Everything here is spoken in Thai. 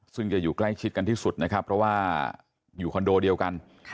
ซึ่งจะอยู่ใกล้ชิดกันที่สุดนะครับเพราะว่าอยู่คอนโดเดียวกัน